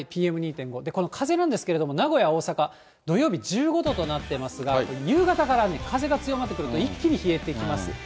ＰＭ２．５、この風なんですけれども、名古屋、大阪、土曜日１５度となってますが、夕方から風が強まってくると、一気に冷えてきます。